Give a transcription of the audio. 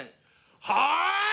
はい！